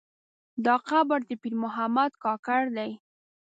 دا قبر د پیر محمد کاکړ دی.